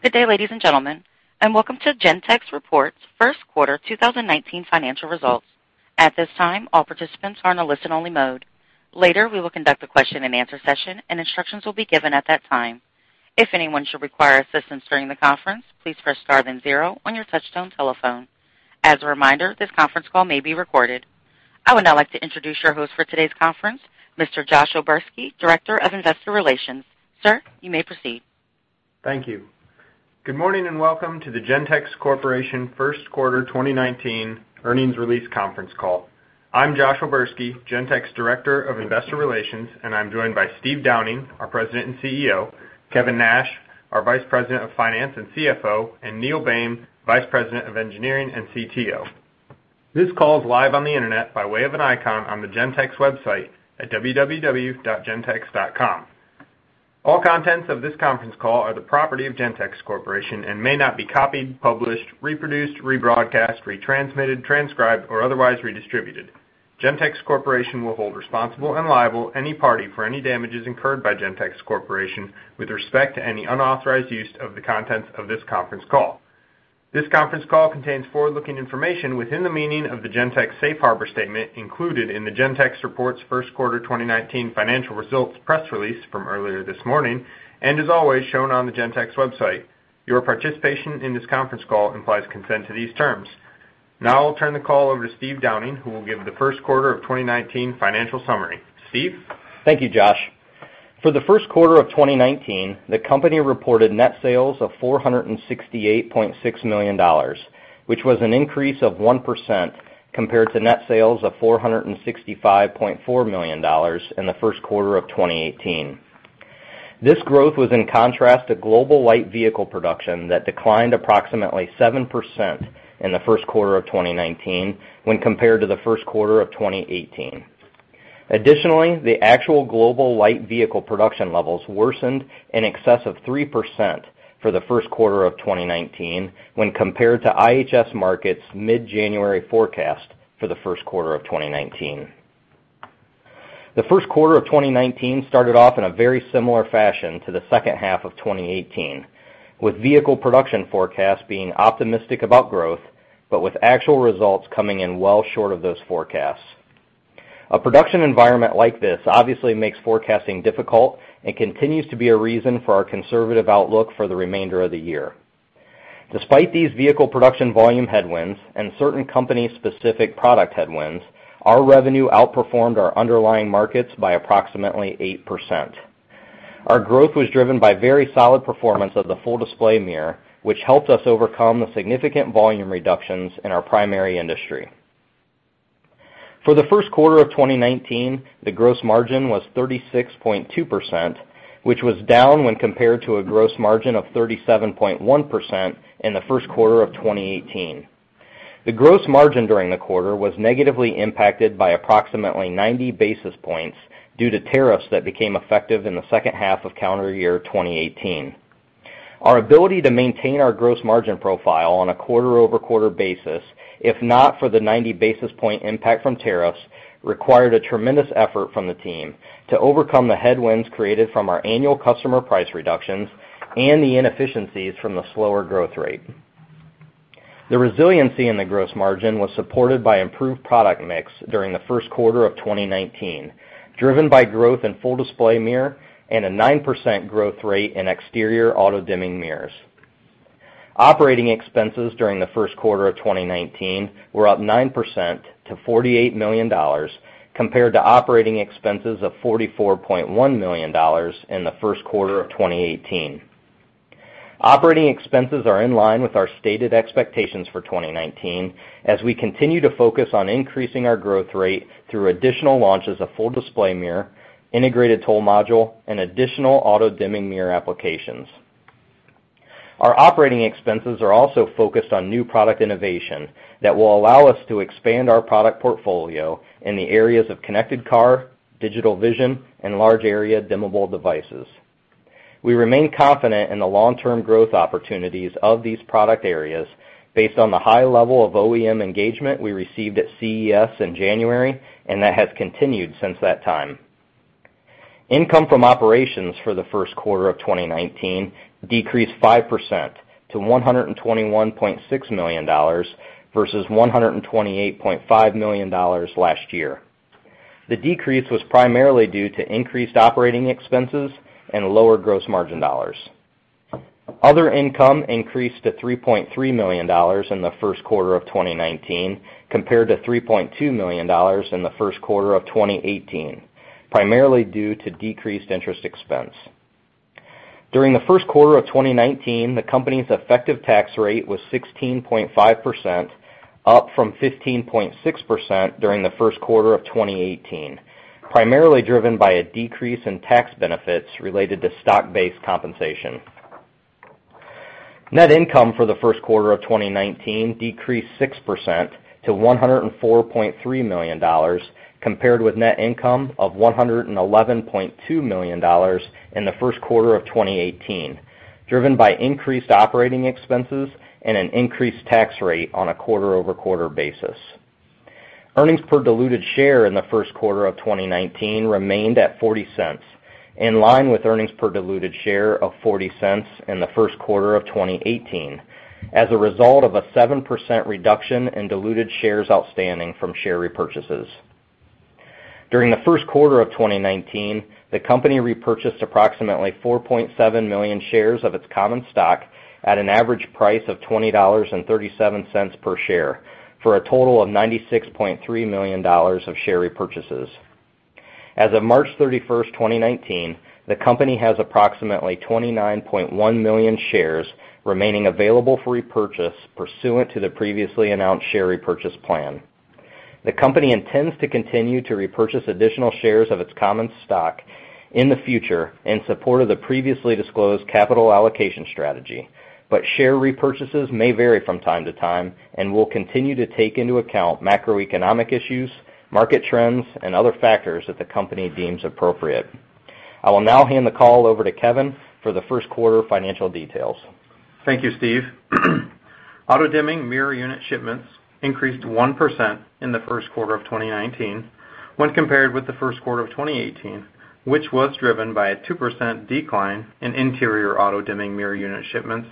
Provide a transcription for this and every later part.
Good day, ladies and gentlemen, Welcome to Gentex Reports First Quarter 2019 Financial Results. At this time, all participants are in a listen-only mode. Later, we will conduct a question and answer session and instructions will be given at that time. If anyone should require assistance during the conference, please press star then zero on your touchtone telephone. As a reminder, this conference call may be recorded. I would now like to introduce your host for today's conference, Mr. Josh O'Berski, Director of Investor Relations. Sir, you may proceed. Thank you. Good morning, Welcome to the Gentex Corporation First Quarter 2019 Earnings Release Conference Call. I'm Josh O'Berski, Gentex Director of Investor Relations, I'm joined by Steve Downing, our President and CEO, Kevin Nash, our Vice President of Finance and CFO, and Neil Boehm, Vice President of Engineering and CTO. This call is live on the internet by way of an icon on the Gentex website at www.gentex.com. All contents of this conference call are the property of Gentex Corporation and may not be copied, published, reproduced, rebroadcast, retransmitted, transcribed, or otherwise redistributed. Gentex Corporation will hold responsible and liable any party for any damages incurred by Gentex Corporation with respect to any unauthorized use of the contents of this conference call. This conference call contains forward-looking information within the meaning of the Gentex safe harbor statement included in the Gentex Reports First Quarter 2019 Financial Results press release from earlier this morning. As always, shown on the Gentex website. Your participation in this conference call implies consent to these terms. I'll turn the call over to Steve Downing, who will give the first quarter of 2019 financial summary. Steve? Thank you, Josh. For the first quarter of 2019, the company reported net sales of $468.6 million, which was an increase of 1% compared to net sales of $465.4 million in the first quarter of 2018. This growth was in contrast to global light vehicle production that declined approximately 7% in the first quarter of 2019 when compared to the first quarter of 2018. Additionally, the actual global light vehicle production levels worsened in excess of 3% for the first quarter of 2019 when compared to IHS Markit's mid-January forecast for the first quarter of 2019. The first quarter of 2019 started off in a very similar fashion to the second half of 2018, with vehicle production forecasts being optimistic about growth, but with actual results coming in well short of those forecasts. A production environment like this obviously makes forecasting difficult and continues to be a reason for our conservative outlook for the remainder of the year. Despite these vehicle production volume headwinds and certain company-specific product headwinds, our revenue outperformed our underlying markets by approximately 8%. Our growth was driven by very solid performance of the Full Display Mirror, which helped us overcome the significant volume reductions in our primary industry. For the first quarter of 2019, the gross margin was 36.2%, which was down when compared to a gross margin of 37.1% in the first quarter of 2018. The gross margin during the quarter was negatively impacted by approximately 90 basis points due to tariffs that became effective in the second half of calendar year 2018. Our ability to maintain our gross margin profile on a quarter-over-quarter basis, if not for the 90 basis point impact from tariffs, required a tremendous effort from the team to overcome the headwinds created from our annual customer price reductions and the inefficiencies from the slower growth rate. The resiliency in the gross margin was supported by improved product mix during the first quarter of 2019, driven by growth in Full Display Mirror and a 9% growth rate in exterior auto-dimming mirrors. Operating expenses during the first quarter of 2019 were up 9% to $48 million compared to operating expenses of $44.1 million in the first quarter of 2018. Operating expenses are in line with our stated expectations for 2019 as we continue to focus on increasing our growth rate through additional launches of Full Display Mirror, Integrated Toll Module, and additional auto-dimming mirror applications. Our operating expenses are also focused on new product innovation that will allow us to expand our product portfolio in the areas of connected car, digital vision, and large-area dimmable devices. We remain confident in the long-term growth opportunities of these product areas based on the high level of OEM engagement we received at CES in January and that has continued since that time. Income from operations for the first quarter of 2019 decreased 5% to $121.6 million versus $128.5 million last year. The decrease was primarily due to increased operating expenses and lower gross margin dollars. Other income increased to $3.3 million in the first quarter of 2019 compared to $3.2 million in the first quarter of 2018, primarily due to decreased interest expense. During the first quarter of 2019, the company's effective tax rate was 16.5%, up from 15.6% during the first quarter of 2018, primarily driven by a decrease in tax benefits related to stock-based compensation. Net income for the first quarter of 2019 decreased 6% to $104.3 million compared with net income of $111.2 million in the first quarter of 2018, driven by increased operating expenses and an increased tax rate on a quarter-over-quarter basis. Earnings per diluted share in the first quarter of 2019 remained at $0.40, in line with earnings per diluted share of $0.40 in the first quarter of 2018, as a result of a 7% reduction in diluted shares outstanding from share repurchases. During the first quarter of 2019, the company repurchased approximately 4.7 million shares of its common stock at an average price of $20.37 per share, for a total of $96.3 million of share repurchases. As of March 31st, 2019, the company has approximately 29.1 million shares remaining available for repurchase pursuant to the previously announced share repurchase plan. The company intends to continue to repurchase additional shares of its common stock in the future in support of the previously disclosed capital allocation strategy. Share repurchases may vary from time to time and will continue to take into account macroeconomic issues, market trends, and other factors that the company deems appropriate. I will now hand the call over to Kevin for the first quarter financial details. Thank you, Steve. Auto-dimming mirror unit shipments increased 1% in the first quarter of 2019 when compared with the first quarter of 2018, which was driven by a 2% decline in interior auto-dimming mirror unit shipments,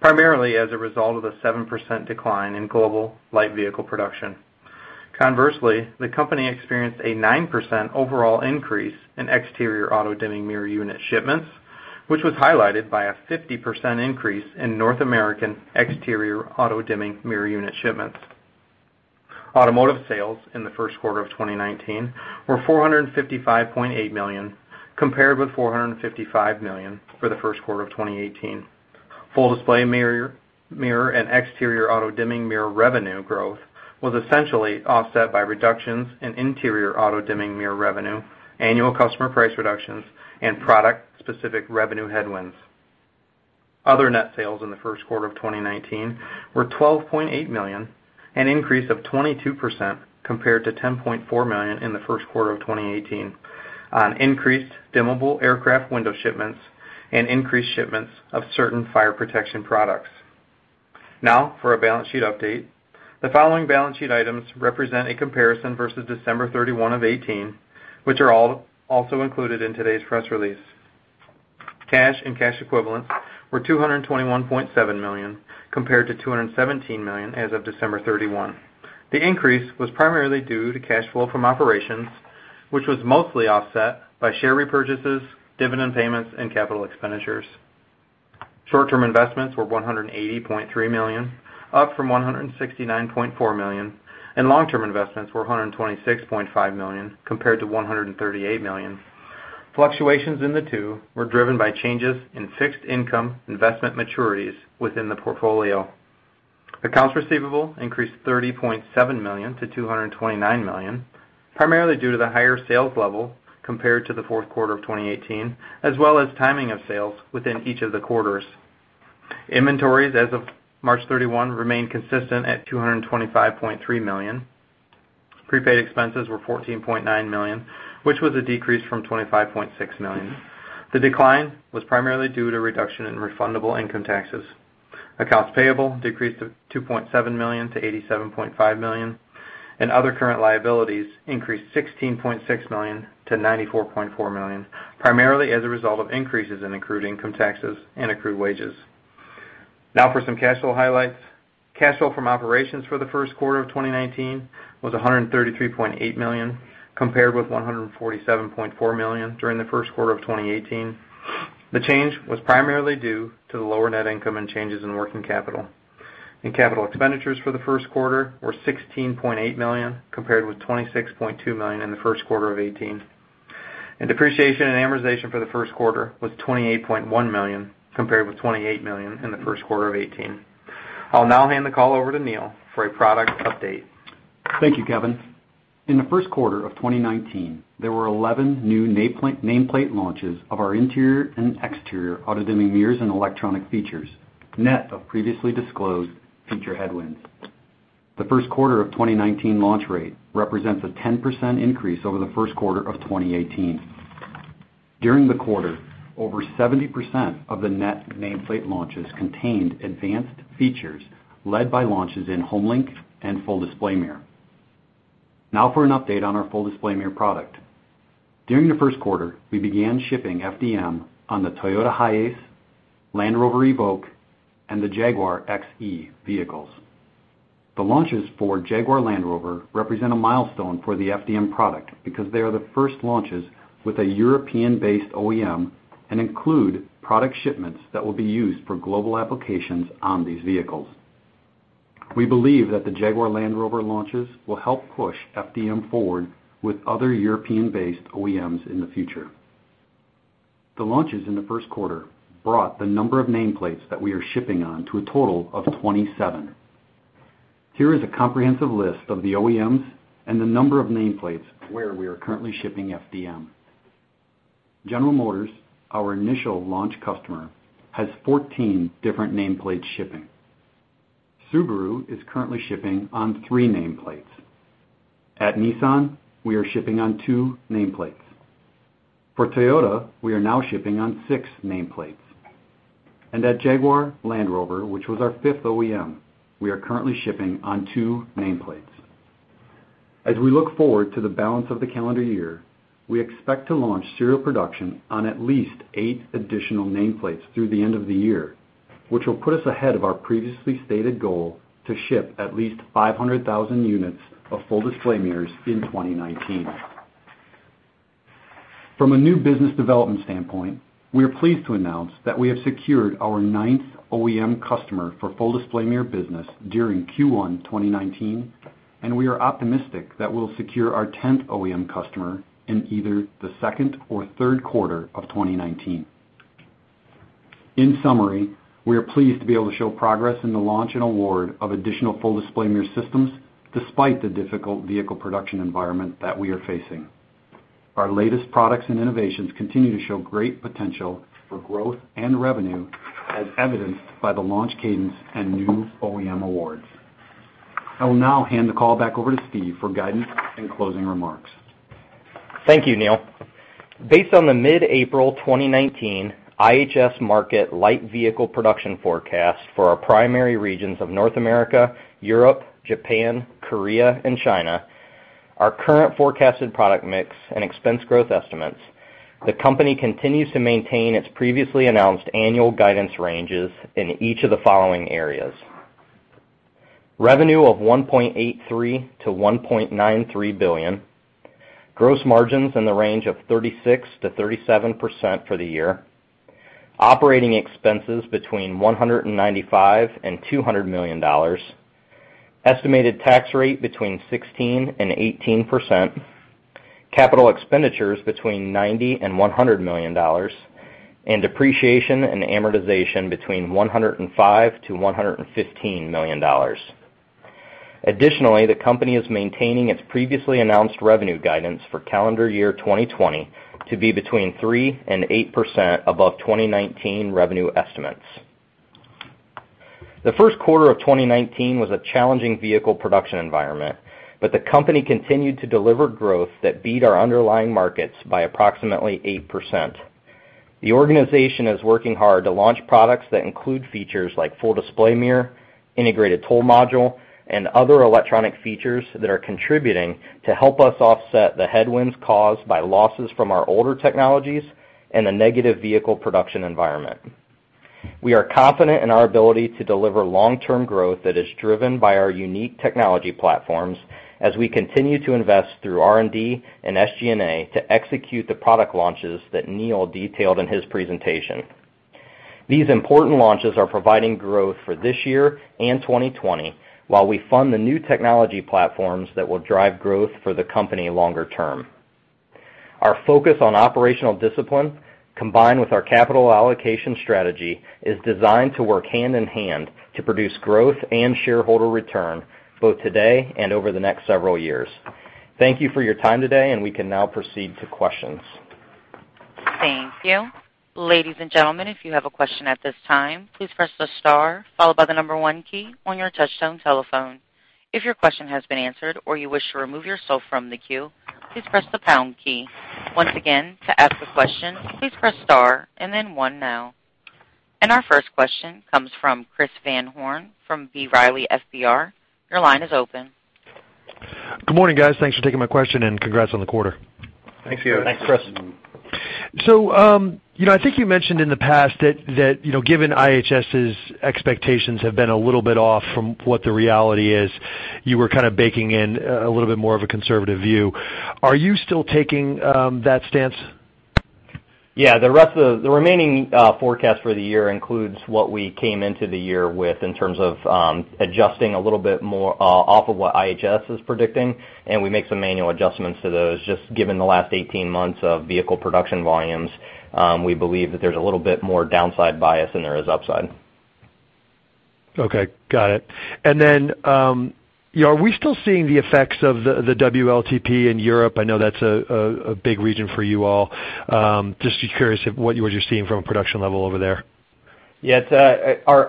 primarily as a result of a 7% decline in global light vehicle production. Conversely, the company experienced a 9% overall increase in exterior auto-dimming mirror unit shipments, which was highlighted by a 50% increase in North American exterior auto-dimming mirror unit shipments. Automotive sales in the first quarter of 2019 were $455.8 million, compared with $455 million for the first quarter of 2018. Full Display Mirror and exterior auto-dimming mirror revenue growth was essentially offset by reductions in interior auto-dimming mirror revenue, annual customer price reductions, and product-specific revenue headwinds. Other net sales in the first quarter of 2019 were $12.8 million, an increase of 22% compared to $10.4 million in the first quarter of 2018 on increased electronically dimmable windows shipments and increased shipments of certain fire protection products. Now, for a balance sheet update. The following balance sheet items represent a comparison versus December 31, 2018, which are also included in today's press release. Cash and cash equivalents were $221.7 million, compared to $217 million as of December 31. The increase was primarily due to cash flow from operations, which was mostly offset by share repurchases, dividend payments, and capital expenditures. Short-term investments were $180.3 million, up from $169.4 million, and long-term investments were $126.5 million, compared to $138 million. Fluctuations in the two were driven by changes in fixed income investment maturities within the portfolio. Accounts receivable increased $30.7 million to $229 million, primarily due to the higher sales level compared to the fourth quarter of 2018, as well as timing of sales within each of the quarters. Inventories as of March 31 remained consistent at $225.3 million. Prepaid expenses were $14.9 million, which was a decrease from $25.6 million. The decline was primarily due to reduction in refundable income taxes. Accounts payable decreased $2.7 million to $87.5 million, and other current liabilities increased $16.6 million to $94.4 million, primarily as a result of increases in accrued income taxes and accrued wages. Now for some cash flow highlights. Cash flow from operations for the first quarter of 2019 was $133.8 million, compared with $147.4 million during the first quarter of 2018. The change was primarily due to the lower net income and changes in working capital. Capital expenditures for the first quarter were $16.8 million, compared with $26.2 million in the first quarter of 2018. Depreciation and amortization for the first quarter was $28.1 million, compared with $28 million in the first quarter of 2018. I'll now hand the call over to Neil for a product update. Thank you, Kevin. In the first quarter of 2019, there were 11 new nameplate launches of our interior and exterior auto-dimming mirrors and electronic features, net of previously disclosed feature headwinds. The first quarter of 2019 launch rate represents a 10% increase over the first quarter of 2018. During the quarter, over 70% of the net nameplate launches contained advanced features led by launches in HomeLink and Full Display Mirror. Now for an update on our Full Display Mirror product. During the first quarter, we began shipping FDM on the Toyota HiAce, Land Rover Evoque, and the Jaguar XE vehicles. The launches for Jaguar Land Rover represent a milestone for the FDM product because they are the first launches with a European-based OEM and include product shipments that will be used for global applications on these vehicles. We believe that the Jaguar Land Rover launches will help push FDM forward with other European-based OEMs in the future. The launches in the first quarter brought the number of nameplates that we are shipping on to a total of 27. Here is a comprehensive list of the OEMs and the number of nameplates where we are currently shipping FDM. General Motors, our initial launch customer, has 14 different nameplates shipping. Subaru is currently shipping on 3 nameplates. At Nissan, we are shipping on 2 nameplates. For Toyota, we are now shipping on 6 nameplates. At Jaguar Land Rover, which was our fifth OEM, we are currently shipping on 2 nameplates. As we look forward to the balance of the calendar year, we expect to launch serial production on at least 8 additional nameplates through the end of the year, which will put us ahead of our previously stated goal to ship at least 500,000 units of Full Display Mirrors in 2019. From a new business development standpoint, we are pleased to announce that we have secured our ninth OEM customer for Full Display Mirror business during Q1 2019, and we are optimistic that we'll secure our 10th OEM customer in either the second or third quarter of 2019. In summary, we are pleased to be able to show progress in the launch and award of additional Full Display Mirror systems, despite the difficult vehicle production environment that we are facing. Our latest products and innovations continue to show great potential for growth and revenue, as evidenced by the launch cadence and new OEM awards. I will now hand the call back over to Steve for guidance and closing remarks. Thank you, Neil. Based on the mid-April 2019 IHS Markit light vehicle production forecast for our primary regions of North America, Europe, Japan, Korea, and China, our current forecasted product mix and expense growth estimates, the company continues to maintain its previously announced annual guidance ranges in each of the following areas: Revenue of $1.83 billion-$1.93 billion, gross margins in the range of 36%-37% for the year, operating expenses between $195 million and $200 million, estimated tax rate between 16% and 18%, capital expenditures between $90 million and $100 million, and depreciation and amortization $105 million-$115 million. The company is maintaining its previously announced revenue guidance for calendar year 2020 to be between 3% and 8% above 2019 revenue estimates. The first quarter of 2019 was a challenging vehicle production environment, the company continued to deliver growth that beat our underlying markets by approximately 8%. The organization is working hard to launch products that include features like Full Display Mirror, Integrated Toll Module, and other electronic features that are contributing to help us offset the headwinds caused by losses from our older technologies and a negative vehicle production environment. We are confident in our ability to deliver long-term growth that is driven by our unique technology platforms as we continue to invest through R&D and SG&A to execute the product launches that Neil detailed in his presentation. These important launches are providing growth for this year and 2020 while we fund the new technology platforms that will drive growth for the company longer term. Our focus on operational discipline, combined with our capital allocation strategy, is designed to work hand-in-hand to produce growth and shareholder return both today and over the next several years. Thank you for your time today, we can now proceed to questions. Thank you. Ladies and gentlemen, if you have a question at this time, please press the star followed by the number one key on your touchtone telephone. If your question has been answered or you wish to remove yourself from the queue, please press the pound key. Once again, to ask a question, please press star and then 1 now. Our first question comes from Christopher Van Horn from B. Riley FBR. Your line is open. Good morning, guys. Thanks for taking my question and congrats on the quarter. Thanks, Chris. Thanks. Thanks, Chris. I think you mentioned in the past that, given IHS's expectations have been a little bit off from what the reality is, you were kind of baking in a little bit more of a conservative view. Are you still taking that stance? Yeah. The remaining forecast for the year includes what we came into the year with in terms of adjusting a little bit more off of what IHS is predicting, and we make some manual adjustments to those. Just given the last 18 months of vehicle production volumes, we believe that there's a little bit more downside bias than there is upside. Okay. Got it. Are we still seeing the effects of the WLTP in Europe? I know that's a big region for you all. Just curious what you're seeing from a production level over there. Yeah.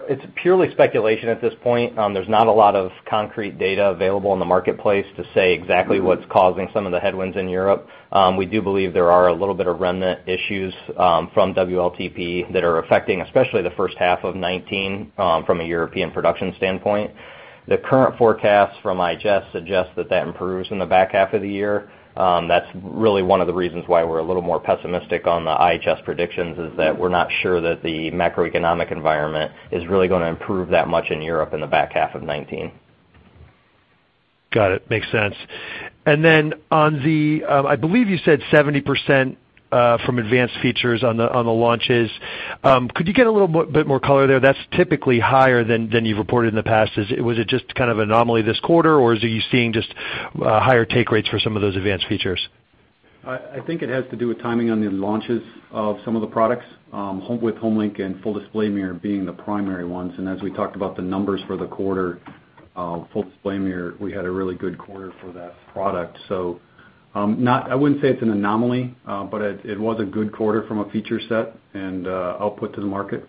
It's purely speculation at this point. There's not a lot of concrete data available in the marketplace to say exactly what's causing some of the headwinds in Europe. We do believe there are a little bit of remnant issues from WLTP that are affecting especially the first half of 2019 from a European production standpoint. The current forecast from IHS suggests that that improves in the back half of the year. That's really one of the reasons why we're a little more pessimistic on the IHS predictions, is that we're not sure that the macroeconomic environment is really going to improve that much in Europe in the back half of 2019. Got it. Makes sense. On the, I believe you said 70% from advanced features on the launches. Could you get a little bit more color there? That's typically higher than you've reported in the past. Was it just kind of anomaly this quarter, or are you seeing just higher take rates for some of those advanced features? I think it has to do with timing on the launches of some of the products, with HomeLink and Full Display Mirror being the primary ones. As we talked about the numbers for the quarter, Full Display Mirror, we had a really good quarter for that product. I wouldn't say it's an anomaly, but it was a good quarter from a feature set and output to the market,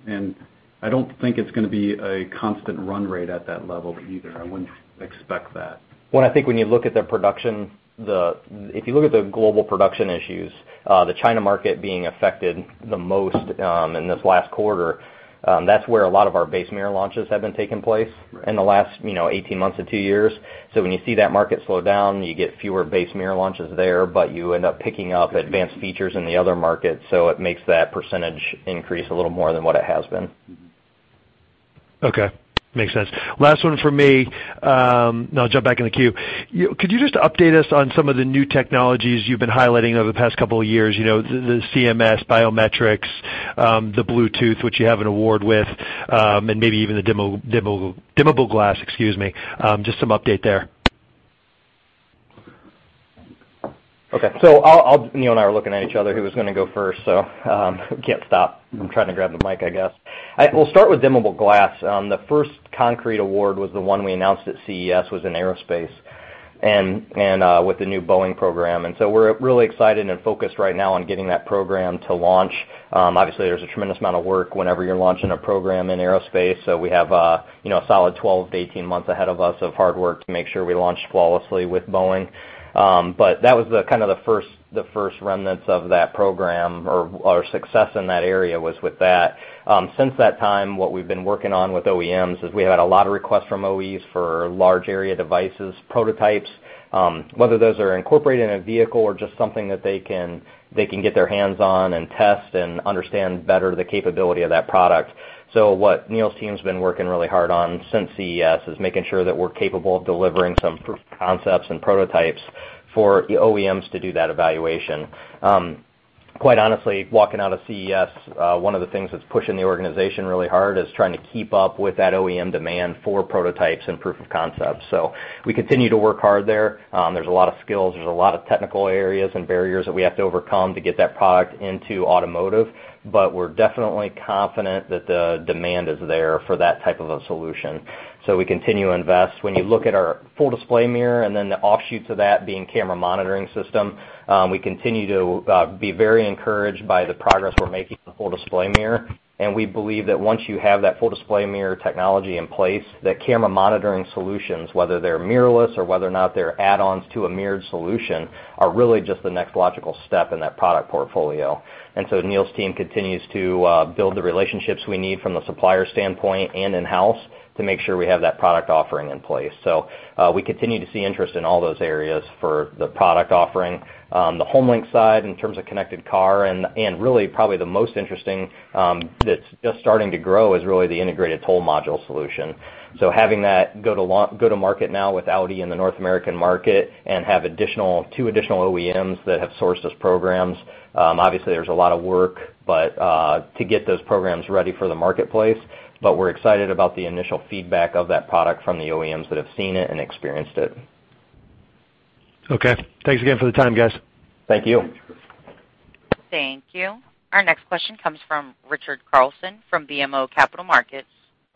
I don't think it's going to be a constant run rate at that level either. I wouldn't expect that. I think when you look at the production, if you look at the global production issues, the China market being affected the most in this last quarter. That's where a lot of our base mirror launches have been taking place in the last 18 months to two years. When you see that market slow down, you get fewer base mirror launches there, you end up picking up advanced features in the other markets, it makes that percentage increase a little more than what it has been. Okay. Makes sense. Last one from me, I'll jump back in the queue. Could you just update us on some of the new technologies you've been highlighting over the past couple of years? The CMS biometrics, the Bluetooth, which you have an award with, maybe even the dimmable glass. Just some update there. Okay. Neil and I are looking at each other, who was going to go first, so I can't stop from trying to grab the mic, I guess. We'll start with dimmable glass. The first concrete award was the one we announced at CES, was in aerospace, with the new Boeing program. We're really excited and focused right now on getting that program to launch. Obviously, there's a tremendous amount of work whenever you're launching a program in aerospace, so we have a solid 12-18 months ahead of us of hard work to make sure we launch flawlessly with Boeing. That was kind of the first remnants of that program, or our success in that area was with that. Since that time, what we've been working on with OEMs is we had a lot of requests from OEs for large area devices, prototypes, whether those are incorporated in a vehicle or just something that they can get their hands on and test and understand better the capability of that product. What Neil's team's been working really hard on since CES is making sure that we're capable of delivering some proof of concepts and prototypes for the OEMs to do that evaluation. Quite honestly, walking out of CES, one of the things that's pushing the organization really hard is trying to keep up with that OEM demand for prototypes and proof of concepts. We continue to work hard there. There's a lot of skills, there's a lot of technical areas and barriers that we have to overcome to get that product into automotive, we're definitely confident that the demand is there for that type of a solution. We continue to invest. When you look at our Full Display Mirror, the offshoot to that being Camera Monitoring System, we continue to be very encouraged by the progress we're making with the Full Display Mirror, we believe that once you have that Full Display Mirror technology in place, camera monitoring solutions, whether they're mirrorless or whether or not they're add-ons to a mirrored solution, are really just the next logical step in that product portfolio. Neil's team continues to build the relationships we need from the supplier standpoint and in-house to make sure we have that product offering in place. We continue to see interest in all those areas for the product offering. The HomeLink side, in terms of connected car, really probably the most interesting that's just starting to grow, is really the Integrated Toll Module solution. Having that go to market now with Audi in the North American market, two additional OEMs that have sourced those programs, obviously, there's a lot of work to get those programs ready for the marketplace, we're excited about the initial feedback of that product from the OEMs that have seen it and experienced it. Okay. Thanks again for the time, guys. Thank you. Thank you. Our next question comes from Richard Carlson from BMO Capital Markets.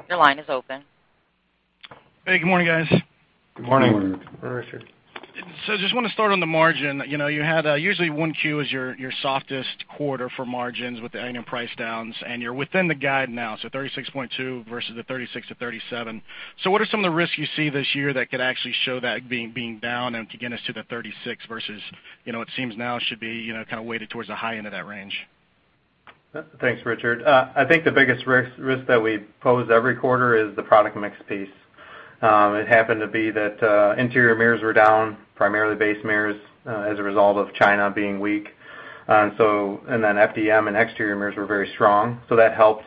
Your line is open. Hey, good morning, guys. Good morning. Good morning. Good morning, Richard. I just want to start on the margin. Usually, 1Q is your softest quarter for margins with the annual price downs, and you're within the guide now, 36.2% versus the 36%-37%. What are some of the risks you see this year that could actually show that being down and to get us to the 36% versus it seems now it should be kind of weighted towards the high end of that range? Thanks, Richard. I think the biggest risk that we pose every quarter is the product mix piece. It happened to be that interior mirrors were down, primarily base mirrors, as a result of China being weak. FDM and exterior mirrors were very strong, that helped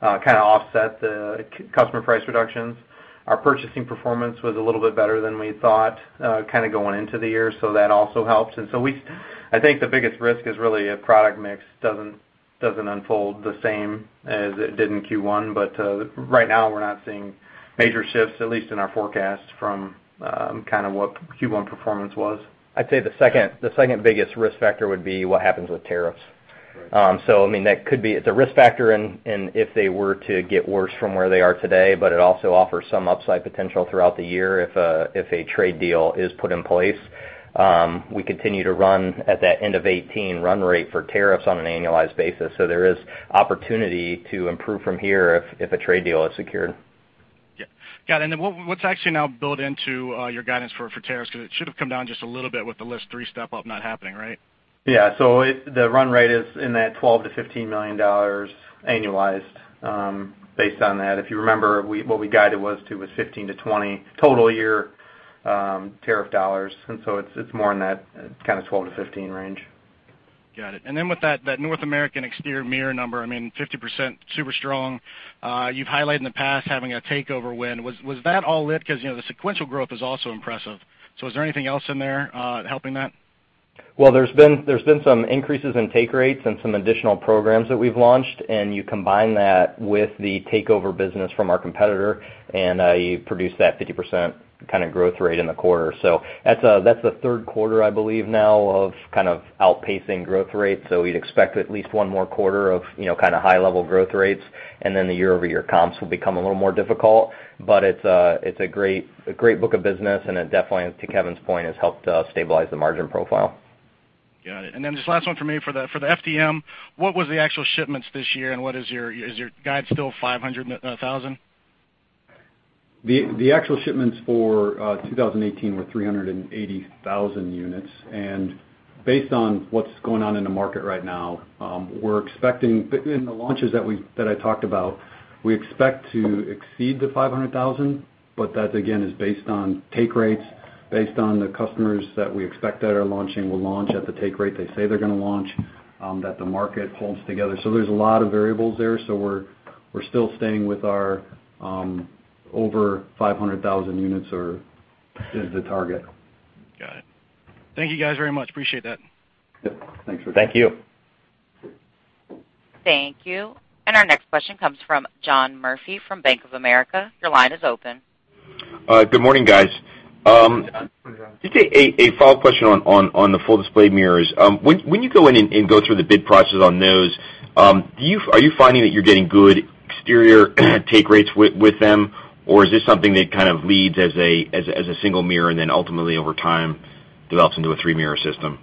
kind of offset the customer price reductions. Our purchasing performance was a little bit better than we thought, kind of going into the year, so that also helped. I think the biggest risk is really if product mix doesn't unfold the same as it did in Q1. Right now, we're not seeing major shifts, at least in our forecast, from kind of what Q1 performance was. I'd say the second biggest risk factor would be what happens with tariffs. Right. I mean, it's a risk factor in if they were to get worse from where they are today, it also offers some upside potential throughout the year if a trade deal is put in place. We continue to run at that end of 2018 run rate for tariffs on an annualized basis. There is opportunity to improve from here if a trade deal is secured. Yeah. Got it. What's actually now built into your guidance for tariffs? Because it should have come down just a little bit with the list three step-up not happening, right? Yeah. The run rate is in that $12 million-$15 million annualized, based on that. If you remember, what we guided was to was $15-$20 total year tariff dollars, it's more in that kind of $12-$15 range. Got it. With that North American exterior mirror number, I mean, 50%, super strong. You've highlighted in the past having a takeover win. Was that all it? Because the sequential growth is also impressive. Is there anything else in there helping that? Well, there's been some increases in take rates and some additional programs that we've launched, and you combine that with the takeover business from our competitor, and you produce that 50% kind of growth rate in the quarter. That's the third quarter, I believe now, of kind of outpacing growth rates. We'd expect at least one more quarter of kind of high-level growth rates, then the year-over-year comps will become a little more difficult. It's a great book of business, and it definitely, to Kevin's point, has helped stabilize the margin profile. Got it. Just last one for me. For the FDM, what was the actual shipments this year, and is your guide still 500,000? The actual shipments for 2018 were 380,000 units. Based on what's going on in the market right now, in the launches that I talked about, we expect to exceed the 500,000. That, again, is based on take rates, based on the customers that we expect that are launching will launch at the take rate they say they're going to launch, that the market holds together. There's a lot of variables there. We're still staying with our over 500,000 units as the target. Got it. Thank you guys very much. Appreciate that. Yep. Thanks. Thank you. Thank you. Our next question comes from John Murphy from Bank of America. Your line is open. Good morning, guys. Just a follow-up question on the Full Display Mirrors. When you go in and go through the bid process on those, are you finding that you're getting good exterior take rates with them, or is this something that kind of leads as a single mirror and then ultimately over time develops into a three-mirror system?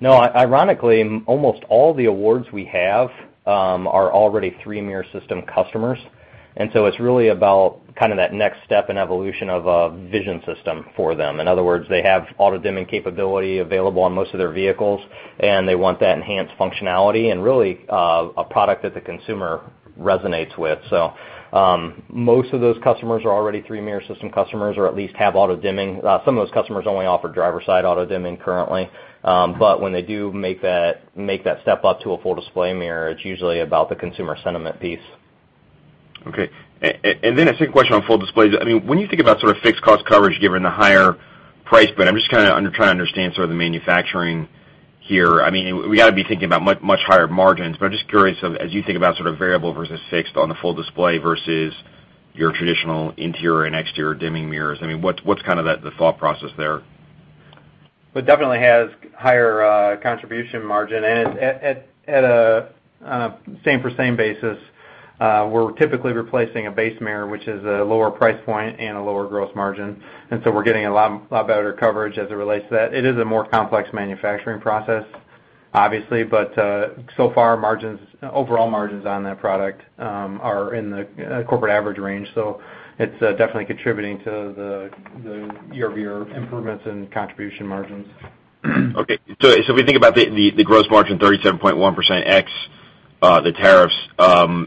No, ironically, almost all the awards we have are already three-mirror system customers, it's really about kind of that next step in evolution of a vision system for them. In other words, they have auto-dimming capability available on most of their vehicles, and they want that enhanced functionality and really a product that the consumer resonates with. Most of those customers are already three-mirror system customers or at least have auto-dimming. Some of those customers only offer driver's side auto-dimming currently. When they do make that step up to a Full Display Mirror, it's usually about the consumer sentiment piece. Okay. A second question on Full Displays. When you think about sort of fixed cost coverage given the higher price point, I'm just trying to understand sort of the manufacturing here. We got to be thinking about much higher margins, I'm just curious, as you think about sort of variable versus fixed on the Full Display versus your traditional interior and exterior dimming mirrors, what's kind of the thought process there? It definitely has higher contribution margin at a same-for-same basis. We're typically replacing a base mirror, which is a lower price point and a lower gross margin. We're getting a lot better coverage as it relates to that. It is a more complex manufacturing process, obviously, but so far overall margins on that product are in the corporate average range. It's definitely contributing to the year-over-year improvements in contribution margins. If we think about the gross margin, 37.1% ex-tariffs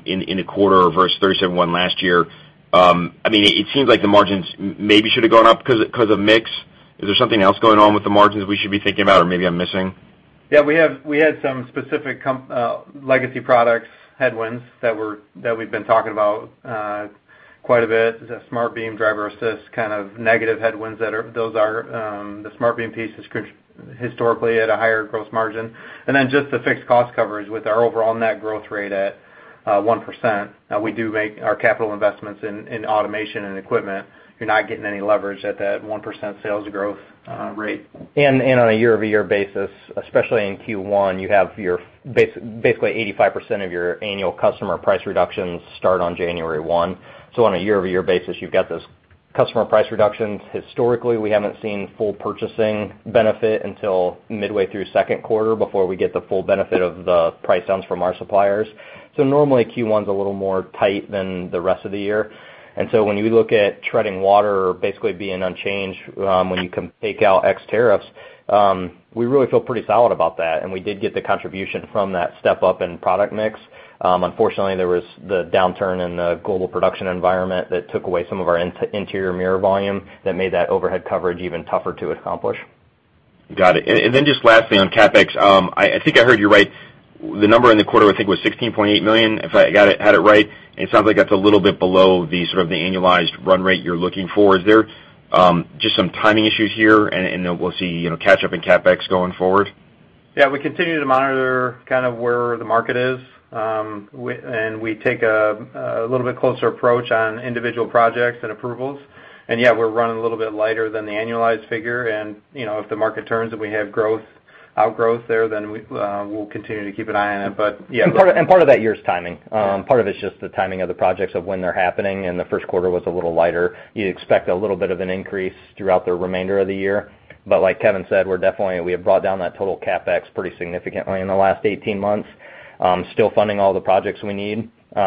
in the quarter versus 37.1% last year, it seems like the margins maybe should have gone up because of mix. Is there something else going on with the margins we should be thinking about or maybe I'm missing? We had some specific legacy products headwinds that we've been talking about quite a bit. The SmartBeam Driver-Assist kind of negative headwinds, those are the SmartBeam piece is historically at a higher gross margin. Just the fixed cost coverage with our overall net growth rate at 1%. We do make our capital investments in automation and equipment. You're not getting any leverage at that 1% sales growth rate. On a year-over-year basis, especially in Q1, you have basically 85% of your annual customer price reductions start on January 1. On a year-over-year basis, you've got those customer price reductions. Historically, we haven't seen full purchasing benefit until midway through second quarter before we get the full benefit of the price downs from our suppliers. Normally Q1's a little more tight than the rest of the year. When you look at treading water basically being unchanged when you can take out ex-tariffs, we really feel pretty solid about that. We did get the contribution from that step up in product mix. Unfortunately, there was the downturn in the global production environment that took away some of our interior mirror volume that made that overhead coverage even tougher to accomplish. Got it. Just lastly on CapEx, I think I heard you right, the number in the quarter was $16.8 million, if I had it right. It sounds like that's a little bit below the sort of the annualized run rate you're looking for. Is there just some timing issues here and then we'll see catch up in CapEx going forward? Yeah, we continue to monitor kind of where the market is. We take a little bit closer approach on individual projects and approvals. Yeah, we're running a little bit lighter than the annualized figure, and if the market turns, if we have outgrowth there, we'll continue to keep an eye on it. Yeah. Part of that year is timing. Part of it's just the timing of the projects of when they're happening, and the first quarter was a little lighter. You'd expect a little bit of an increase throughout the remainder of the year. Like Kevin said, we have brought down that total CapEx pretty significantly in the last 18 months. Still funding all the projects we need. We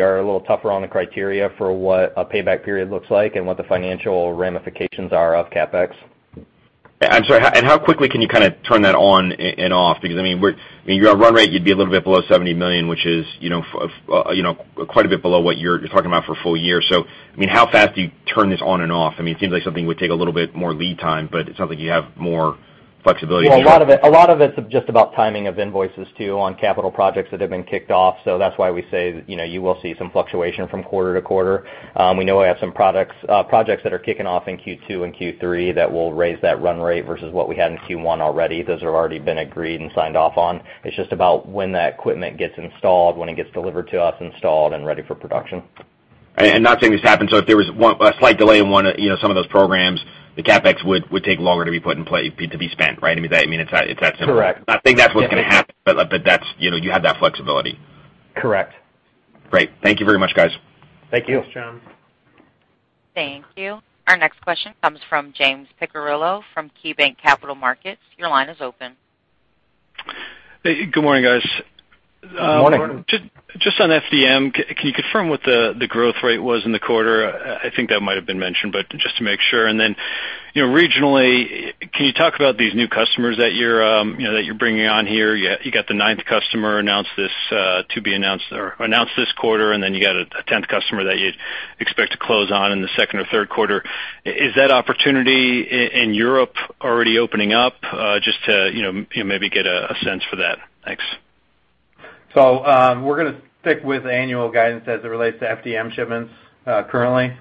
are a little tougher on the criteria for what a payback period looks like and what the financial ramifications are of CapEx. I'm sorry, how quickly can you kind of turn that on and off? Because your run rate, you'd be a little bit below $70 million, which is quite a bit below what you're talking about for a full year. How fast do you turn this on and off? It seems like something would take a little bit more lead time, but it sounds like you have more flexibility there. Well, a lot of it's just about timing of invoices too on capital projects that have been kicked off. That's why we say you will see some fluctuation from quarter-to-quarter. We know we have some projects that are kicking off in Q2 and Q3 that will raise that run rate versus what we had in Q1 already. Those have already been agreed and signed off on. It's just about when that equipment gets installed, when it gets delivered to us, installed and ready for production. Not saying this happened, so if there was a slight delay in some of those programs, the CapEx would take longer to be spent, right? It's that simple. Correct. Not saying that's what's going to happen, but you have that flexibility. Correct. Great. Thank you very much, guys. Thank you. Thanks, John. Thank you. Our next question comes from James Picariello from KeyBanc Capital Markets. Your line is open. Good morning, guys. Good morning. Just on FDM, can you confirm what the growth rate was in the quarter? I think that might have been mentioned, but just to make sure. Regionally, can you talk about these new customers that you're bringing on here? You got the ninth customer announced this quarter, then you got a 10th customer that you expect to close on in the second or third quarter. Is that opportunity in Europe already opening up? Just to maybe get a sense for that. Thanks. We're going to stick with annual guidance as it relates to FDM shipments currently.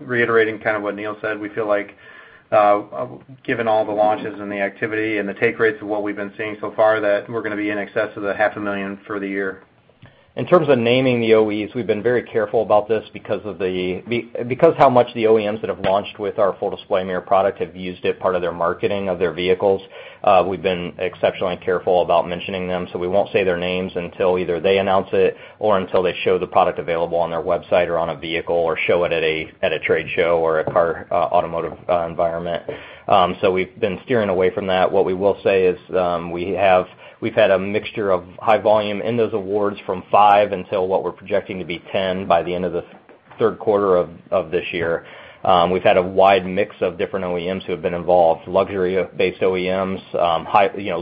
Reaffirming kind of what Neil said, we feel like given all the launches and the activity and the take rates of what we've been seeing so far, that we're going to be in excess of the half a million for the year. In terms of naming the OEs, we've been very careful about this because how much the OEMs that have launched with our Full Display Mirror product have used it part of their marketing of their vehicles. We've been exceptionally careful about mentioning them. We won't say their names until either they announce it or until they show the product available on their website or on a vehicle, or show it at a trade show or a car automotive environment. We've been steering away from that. What we will say is we've had a mixture of high volume in those awards from five until what we're projecting to be 10 by the end of the third quarter of this year. We've had a wide mix of different OEMs who have been involved, luxury-based OEMs,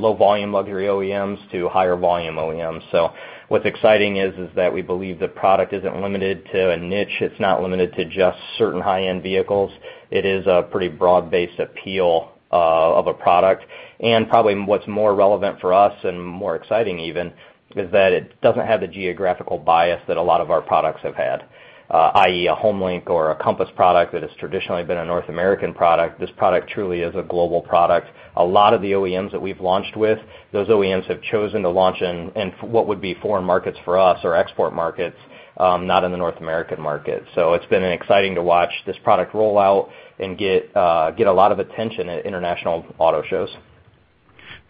low volume luxury OEMs to higher volume OEMs. What's exciting is that we believe the product isn't limited to a niche. It's not limited to just certain high-end vehicles. It is a pretty broad-based appeal of a product. Probably what's more relevant for us and more exciting even, is that it doesn't have the geographical bias that a lot of our products have had, i.e., a HomeLink or a Compass product that has traditionally been a North American product. This product truly is a global product. A lot of the OEMs that we've launched with, those OEMs have chosen to launch in what would be foreign markets for us or export markets, not in the North American market. It's been exciting to watch this product roll out and get a lot of attention at international auto shows.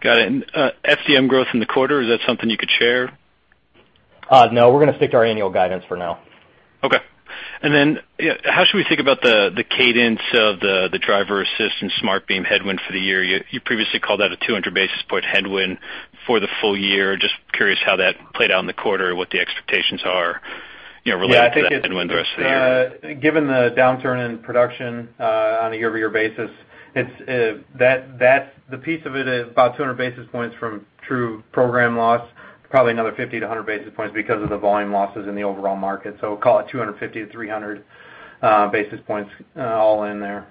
Got it. FDM growth in the quarter, is that something you could share? No, we're going to stick to our annual guidance for now. Okay. How should we think about the cadence of the Driver-Assist and SmartBeam headwind for the year? You previously called out a 200 basis point headwind for the full year. Curious how that played out in the quarter, what the expectations are related to that headwind the rest of the year. Yeah, I think given the downturn in production on a year-over-year basis, the piece of it is about 200 basis points from true program loss, probably another 50 to 100 basis points because of the volume losses in the overall market. Call it 250 to 300 basis points all in there.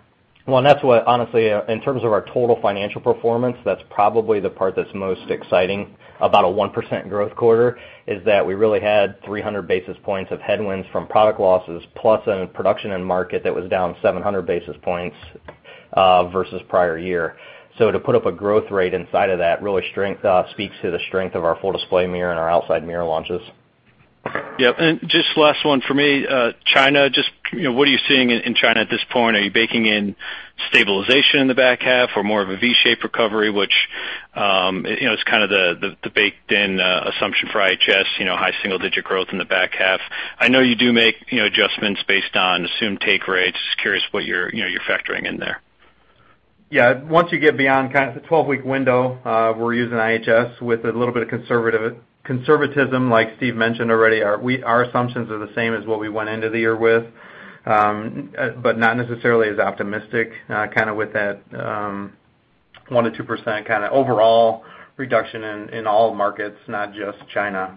Well, that's what, honestly, in terms of our total financial performance, that's probably the part that's most exciting about a 1% growth quarter, is that we really had 300 basis points of headwinds from product losses, plus in a production end market that was down 700 basis points versus prior year. To put up a growth rate inside of that really speaks to the strength of our Full Display Mirror and our outside mirror launches. Yep. Just last one for me, China, just what are you seeing in China at this point? Are you baking in stabilization in the back half or more of a V-shaped recovery, which is kind of the baked-in assumption for IHS, high single-digit growth in the back half. I know you do make adjustments based on assumed take rates. Just curious what you're factoring in there. Yeah. Once you get beyond kind of the 12-week window, we're using IHS with a little bit of conservatism, like Steve mentioned already. Our assumptions are the same as what we went into the year with, not necessarily as optimistic kind of with that 1% to 2% kind of overall reduction in all markets, not just China.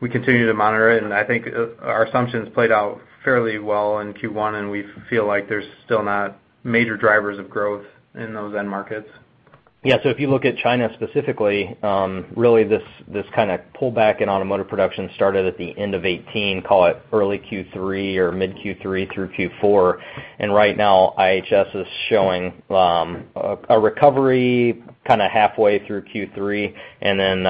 We continue to monitor it, and I think our assumptions played out fairly well in Q1, and we feel like there's still not major drivers of growth in those end markets. Yeah. If you look at China specifically, really this kind of pullback in automotive production started at the end of 2018, call it early Q3 or mid-Q3 through Q4. Right now IHS is showing a recovery kind of halfway through Q3 and then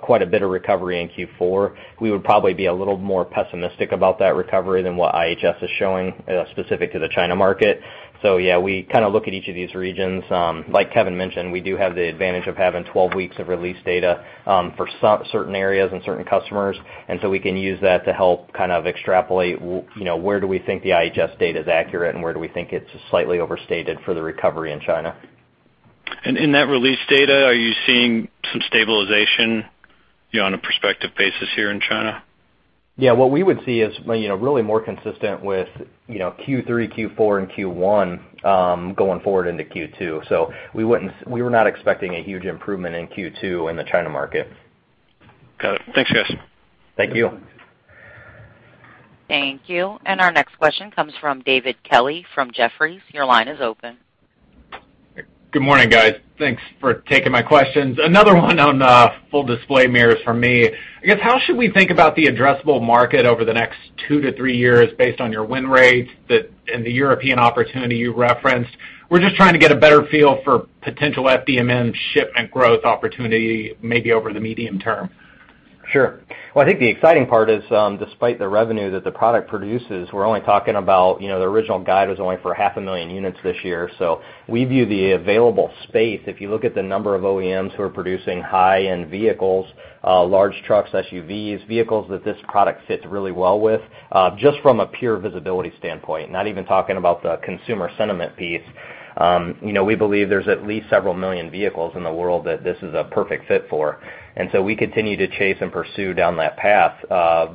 quite a bit of recovery in Q4. We would probably be a little more pessimistic about that recovery than what IHS is showing specific to the China market. Yeah, we kind of look at each of these regions. Like Kevin mentioned, we do have the advantage of having 12 weeks of release data for certain areas and certain customers, we can use that to help kind of extrapolate where do we think the IHS data is accurate and where do we think it's slightly overstated for the recovery in China. In that release data, are you seeing some stabilization on a prospective basis here in China? Yeah. What we would see is really more consistent with Q3, Q4, and Q1 going forward into Q2. We were not expecting a huge improvement in Q2 in the China market. Got it. Thanks, guys. Thank you. Thank you. Our next question comes from David Kelley from Jefferies. Your line is open. Good morning, guys. Thanks for taking my questions. Another one on Full Display Mirror from me. I guess how should we think about the addressable market over the next two to three years based on your win rates and the European opportunity you referenced? We're just trying to get a better feel for potential FDM shipment growth opportunity, maybe over the medium term. Sure. Well, I think the exciting part is, despite the revenue that the product produces, we're only talking about the original guide was only for 500,000 units this year. We view the available space, if you look at the number of OEMs who are producing high-end vehicles, large trucks, SUVs, vehicles that this product fits really well with, just from a pure visibility standpoint, not even talking about the consumer sentiment piece. We believe there's at least several million vehicles in the world that this is a perfect fit for. We continue to chase and pursue down the path of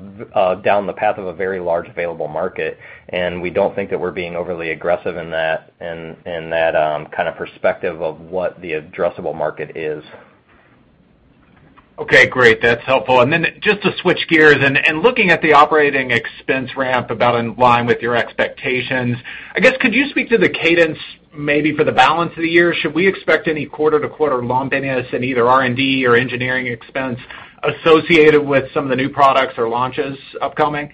a very large available market, and we don't think that we're being overly aggressive in that kind of perspective of what the addressable market is. Okay, great. That's helpful. Just to switch gears and looking at the operating expense ramp about in line with your expectations, I guess could you speak to the cadence maybe for the balance of the year? Should we expect any quarter-to-quarter lumpiness in either R&D or engineering expense associated with some of the new products or launches upcoming?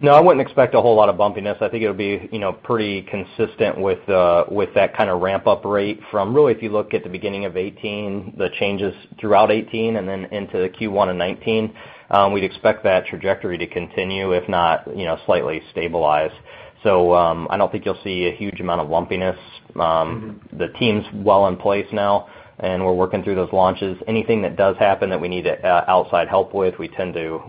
No, I wouldn't expect a whole lot of bumpiness. I think it'll be pretty consistent with that kind of ramp-up rate from really if you look at the beginning of 2018, the changes throughout 2018, and into Q1 of 2019. We'd expect that trajectory to continue, if not, slightly stabilize. I don't think you'll see a huge amount of lumpiness. The team's well in place now, and we're working through those launches. Anything that does happen that we need outside help with, we tend to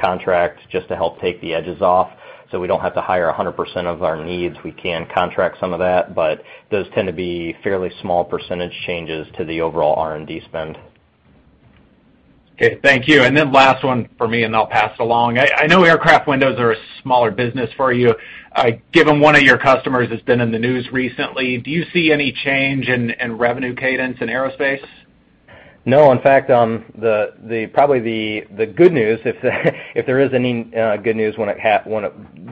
contract just to help take the edges off so we don't have to hire 100% of our needs. We can contract some of that, but those tend to be fairly small percentage changes to the overall R&D spend. Okay, thank you. Last one for me, and then I'll pass it along. I know aircraft windows are a smaller business for you. Given one of your customers has been in the news recently, do you see any change in revenue cadence in aerospace? No. In fact, probably the good news, if there is any good news when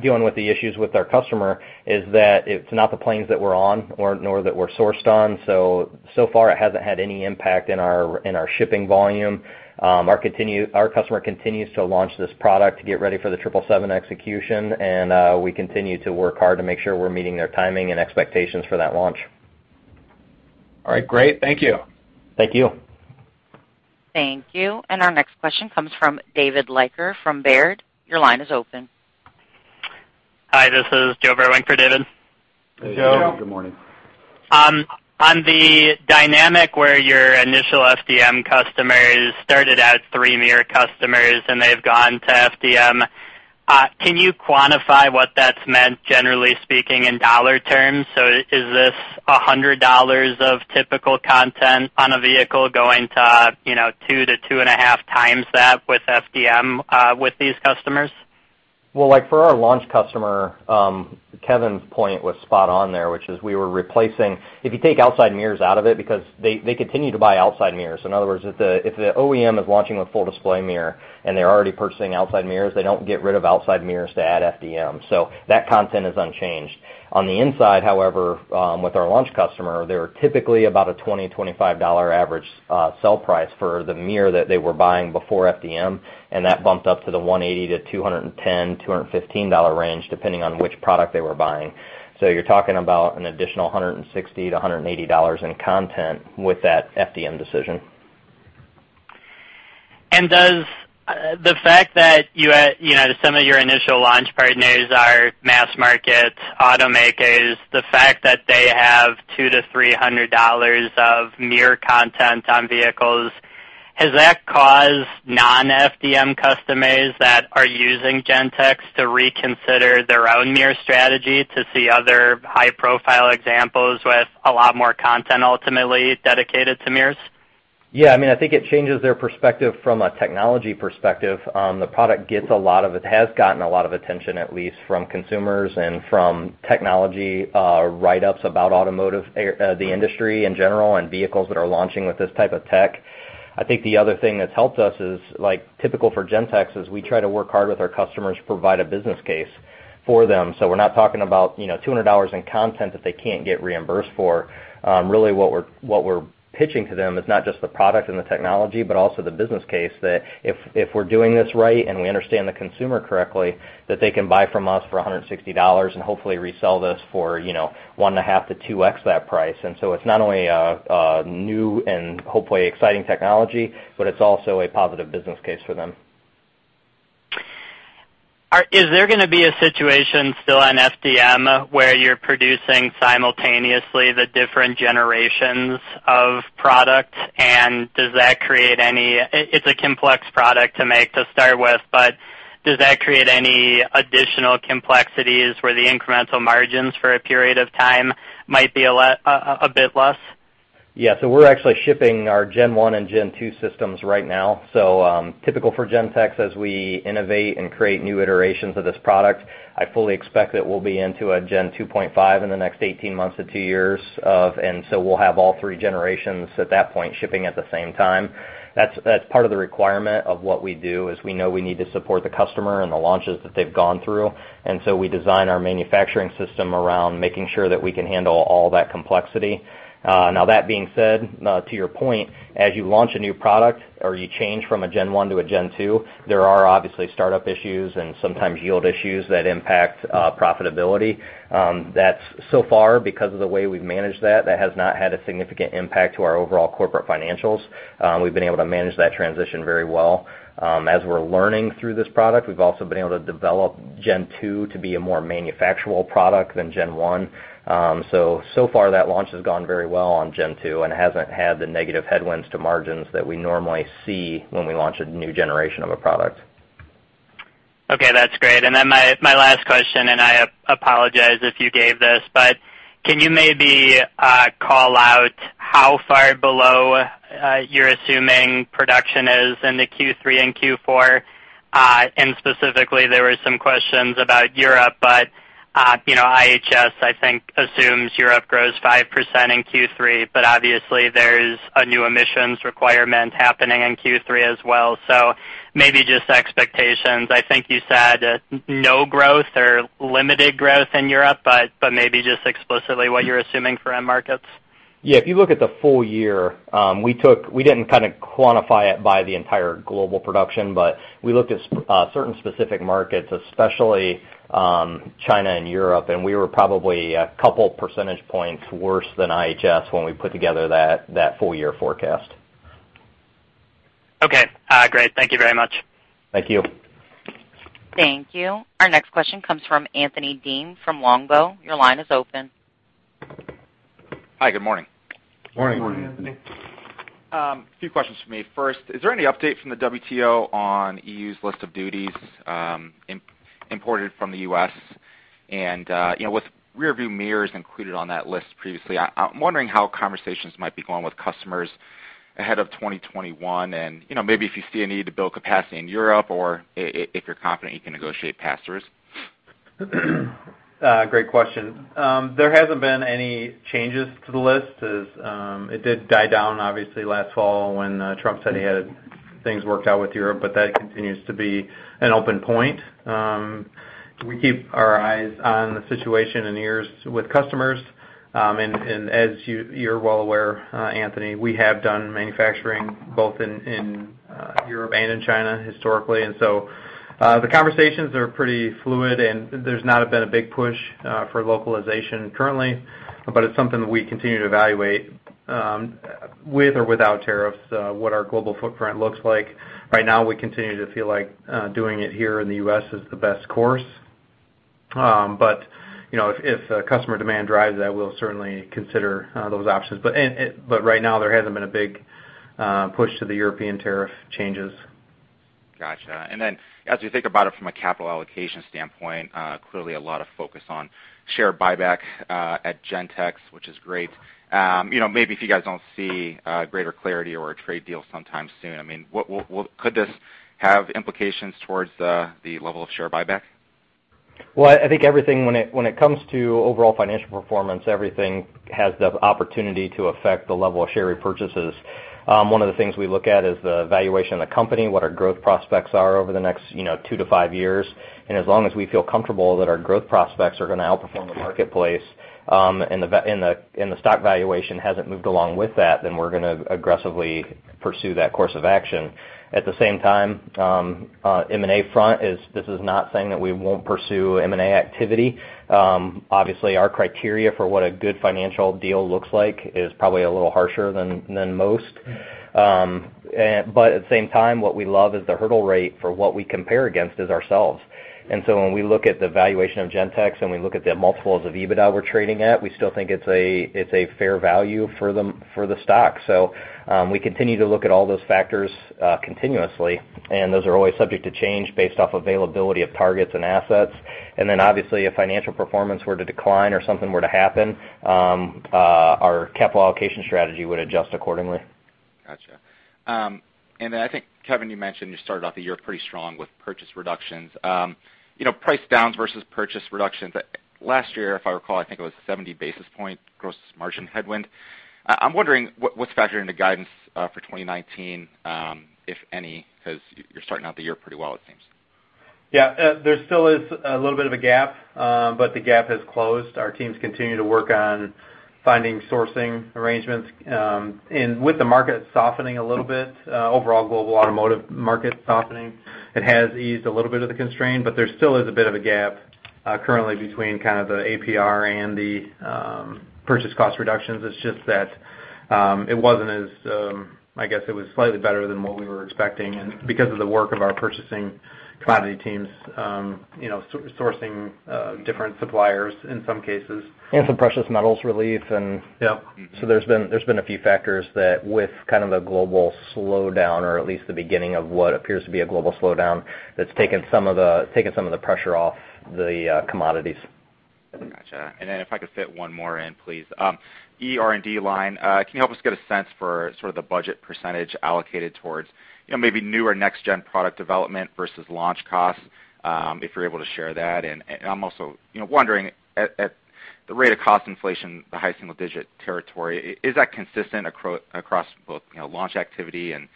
dealing with the issues with our customer, is that it's not the planes that we're on or nor that we're sourced on. So far it hasn't had any impact in our shipping volume. Our customer continues to launch this product to get ready for the 777 execution, and we continue to work hard to make sure we're meeting their timing and expectations for that launch. All right. Great. Thank you. Thank you. Thank you. Our next question comes from David Leiker from Baird. Your line is open. Hi, this is Joe Vruwink for David. Hey, Joe. Good morning. On the dynamic where your initial FDM customers started as three mirror customers and they've gone to FDM, can you quantify what that's meant, generally speaking, in dollar terms? Is this $100 of typical content on a vehicle going to two to two and a half times that with FDM with these customers? Well, for our launch customer, Kevin's point was spot on there, which is we were replacing, if you take outside mirrors out of it, because they continue to buy outside mirrors. In other words, if the OEM is launching a Full Display Mirror and they're already purchasing outside mirrors, they don't get rid of outside mirrors to add FDM. That content is unchanged. On the inside, however, with our launch customer, they were typically about a $20, $25 average sell price for the mirror that they were buying before FDM, and that bumped up to the $180 to $210, $215 range, depending on which product they were buying. You're talking about an additional $160 to $180 in content with that FDM decision. Does the fact that some of your initial launch partners are mass market automakers, the fact that they have $200 to $300 of mirror content on vehicles, has that caused non-FDM customers that are using Gentex to reconsider their own mirror strategy to see other high-profile examples with a lot more content ultimately dedicated to mirrors? Yeah. I think it changes their perspective from a technology perspective. The product has gotten a lot of attention, at least from consumers and from technology write-ups about automotive, the industry in general, and vehicles that are launching with this type of tech. I think the other thing that's helped us is, typical for Gentex, is we try to work hard with our customers to provide a business case for them. We're not talking about $200 in content that they can't get reimbursed for. Really what we're pitching to them is not just the product and the technology, but also the business case that if we're doing this right and we understand the consumer correctly, that they can buy from us for $160 and hopefully resell this for 1.5x to 2x that price. It's not only a new and hopefully exciting technology, but it's also a positive business case for them. Is there going to be a situation still on FDM where you're producing simultaneously the different generations of products? It's a complex product to make to start with, but does that create any additional complexities where the incremental margins for a period of time might be a bit less? Yeah. We're actually shipping our Gen 1 and Gen 2 systems right now. Typical for Gentex, as we innovate and create new iterations of this product, I fully expect that we'll be into a Gen 2.5 in the next 18 months to two years. We'll have all three generations at that point shipping at the same time. That's part of the requirement of what we do, is we know we need to support the customer and the launches that they've gone through. We design our manufacturing system around making sure that we can handle all that complexity. Now that being said, to your point, as you launch a new product or you change from a Gen 1 to a Gen 2, there are obviously startup issues and sometimes yield issues that impact profitability. That's so far because of the way we've managed that has not had a significant impact to our overall corporate financials. We've been able to manage that transition very well. As we're learning through this product, we've also been able to develop Gen 2 to be a more manufactural product than Gen 1. So far that launch has gone very well on Gen 2 and hasn't had the negative headwinds to margins that we normally see when we launch a new generation of a product. Okay, that's great. My last question, and I apologize if you gave this, but can you maybe call out how far below you're assuming production is in the Q3 and Q4? Specifically, there were some questions about Europe, but IHS, I think, assumes Europe grows 5% in Q3, but obviously there's a new emissions requirement happening in Q3 as well. Maybe just expectations. I think you said no growth or limited growth in Europe, but maybe just explicitly what you're assuming for end markets. Yeah. If you look at the full year, we didn't kind of quantify it by the entire global production, we looked at certain specific markets, especially China and Europe, we were probably a couple percentage points worse than IHS when we put together that full-year forecast. Okay, great. Thank you very much. Thank you. Thank you. Our next question comes from Anthony Deem from Longbow. Your line is open. Hi, good morning. Morning. Morning, Anthony. Is there any update from the WTO on EU's list of duties imported from the U.S.? With rearview mirrors included on that list previously, I'm wondering how conversations might be going with customers ahead of 2021 and maybe if you see a need to build capacity in Europe or if you're confident you can negotiate pass-throughs. Great question. There hasn't been any changes to the list as it did die down, obviously, last fall when Trump said he had things worked out with Europe. That continues to be an open point. We keep our eyes on the situation and ears with customers. As you're well aware, Anthony, we have done manufacturing both in Europe and in China historically. The conversations are pretty fluid, and there's not been a big push for localization currently. It's something that we continue to evaluate with or without tariffs, what our global footprint looks like. Right now, we continue to feel like doing it here in the U.S. is the best course. If customer demand drives that, we'll certainly consider those options. Right now, there hasn't been a big push to the European tariff changes. Got you. As you think about it from a capital allocation standpoint, clearly a lot of focus on share buyback at Gentex, which is great. Maybe if you guys don't see greater clarity or a trade deal sometime soon, could this have implications towards the level of share buyback? Well, I think when it comes to overall financial performance, everything has the opportunity to affect the level of share repurchases. One of the things we look at is the valuation of the company, what our growth prospects are over the next two to five years, and as long as we feel comfortable that our growth prospects are going to outperform the marketplace, and the stock valuation hasn't moved along with that, then we're going to aggressively pursue that course of action. At the same time, M&A front, this is not saying that we won't pursue M&A activity. Obviously, our criteria for what a good financial deal looks like is probably a little harsher than most. At the same time, what we love is the hurdle rate for what we compare against is ourselves. When we look at the valuation of Gentex and we look at the multiples of EBITDA we're trading at, we still think it's a fair value for the stock. We continue to look at all those factors continuously, and those are always subject to change based off availability of targets and assets. Obviously, if financial performance were to decline or something were to happen, our capital allocation strategy would adjust accordingly. Got you. I think, Kevin, you mentioned you started off the year pretty strong with purchase reductions. Price downs versus purchase reductions, last year, if I recall, I think it was 70 basis point gross margin headwind. I'm wondering what's factored into guidance for 2019, if any, because you're starting out the year pretty well, it seems. Yeah. There still is a little bit of a gap, but the gap has closed. Our teams continue to work on finding sourcing arrangements. With the market softening a little bit, overall global automotive market softening, it has eased a little bit of the constraint, but there still is a bit of a gap currently between kind of the APR and the purchase cost reductions. It's just that it wasn't as I guess it was slightly better than what we were expecting, because of the work of our purchasing commodity teams sourcing different suppliers in some cases. Some precious metals relief. Yep. There's been a few factors that with kind of the global slowdown, or at least the beginning of what appears to be a global slowdown, that's taken some of the pressure off the commodities. Got you. If I could fit one more in, please. R&D line, can you help us get a sense for sort of the budget percentage allocated towards maybe new or next-gen product development versus launch costs, if you're able to share that? I'm also wondering, at the rate of cost inflation, the high single-digit territory, is that consistent across both launch activity and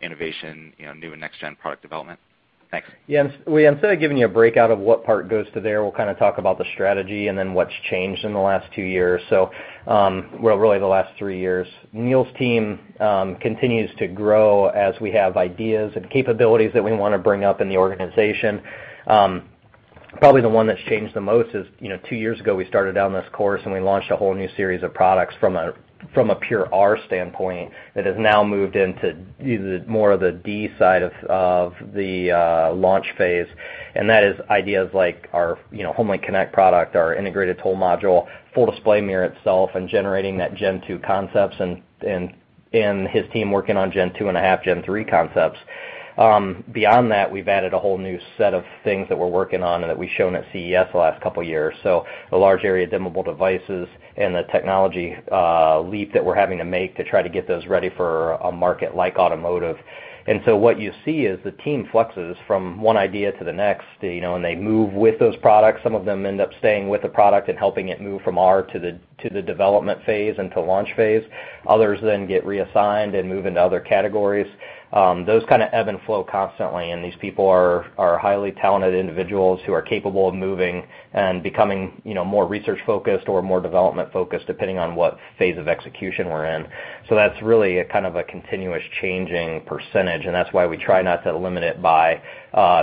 innovation, new and next-gen product development? Thanks. Yeah. Instead of giving you a breakout of what part goes to there, we'll kind of talk about the strategy. Well, really the last three years. Neil's team continues to grow as we have ideas and capabilities that we want to bring up in the organization. Probably the one that's changed the most is two years ago, we started down this course, we launched a whole new series of products from a pure R standpoint that has now moved into more of the D side of the launch phase. That is ideas like our HomeLink Connect product, our Integrated Toll Module, Full Display Mirror itself, generating that Gen 2 concepts and his team working on Gen 2 and a half, Gen 3 concepts. Beyond that, we've added a whole new set of things that we're working on and that we've shown at CES the last couple of years. The large-area dimmable devices and the technology leap that we're having to make to try to get those ready for a market like automotive. What you see is the team flexes from one idea to the next, and they move with those products. Some of them end up staying with the product and helping it move from R to the development phase and to launch phase. Others get reassigned and move into other categories. Those ebb and flow constantly, these people are highly talented individuals who are capable of moving and becoming more research-focused or more development-focused, depending on what phase of execution we're in. That's really a continuous changing percentage, and that's why we try not to limit it by,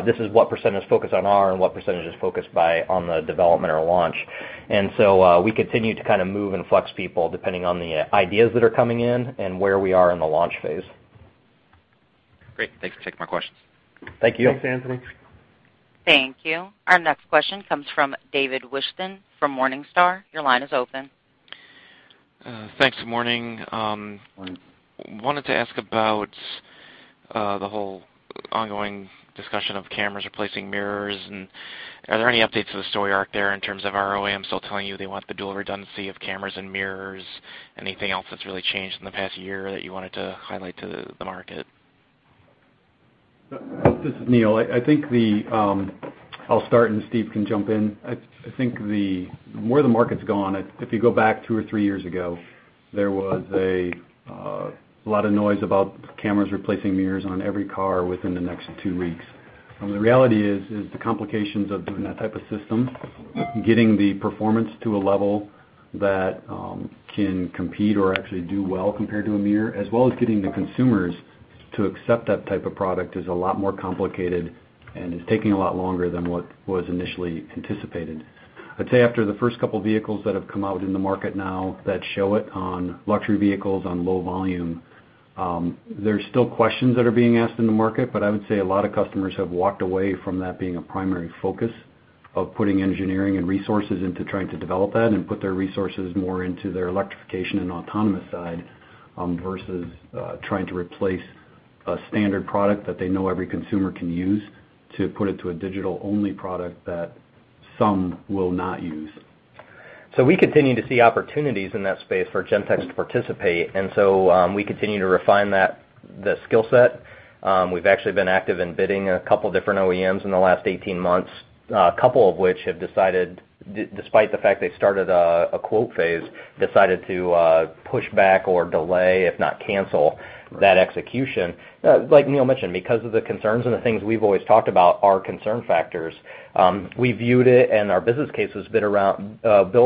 this is what percentage focus on R and what percentage is focused on the development or launch. We continue to move and flex people depending on the ideas that are coming in and where we are in the launch phase. Great. Thanks for taking my questions. Thank you. Thanks, Anthony Deem. Thank you. Our next question comes from David Whiston from Morningstar. Your line is open. Thanks, good morning. Morning. Wanted to ask about the whole ongoing discussion of cameras replacing mirrors, and are there any updates to the story arc there in terms of OEMs still telling you they want the dual redundancy of cameras and mirrors? Anything else that's really changed in the past year that you wanted to highlight to the market? This is Neil. I'll start and Steve can jump in. I think the more the market's gone, if you go back two or three years ago, there was a lot of noise about cameras replacing mirrors on every car within the next two weeks. The reality is the complications of doing that type of system, getting the performance to a level that can compete or actually do well compared to a mirror, as well as getting the consumers to accept that type of product, is a lot more complicated and is taking a lot longer than what was initially anticipated. I'd say after the first couple of vehicles that have come out in the market now that show it on luxury vehicles on low volume, there's still questions that are being asked in the market. I would say a lot of customers have walked away from that being a primary focus of putting engineering and resources into trying to develop that and put their resources more into their electrification and autonomous side, versus trying to replace a standard product that they know every consumer can use to put it to a digital-only product that some will not use. We continue to see opportunities in that space for Gentex to participate, we continue to refine the skill set. We've actually been active in bidding a couple different OEMs in the last 18 months. A couple of which have decided, despite the fact they started a quote phase, decided to push back or delay, if not cancel that execution. Like Neil mentioned, because of the concerns and the things we've always talked about are concern factors. We viewed it and our business case has built